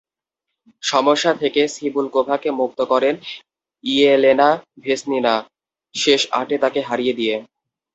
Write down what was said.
সমস্যা থেকে সিবুলকোভাকে মুক্ত করেন ইয়েলেনা ভেসনিনা, শেষ আটে তাঁকে হারিয়ে দিয়ে।